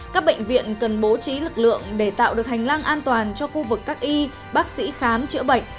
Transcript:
các bệnh viện cần bố trí lực lượng để tạo được hành lang an toàn cho khu vực các y bác sĩ khám chữa bệnh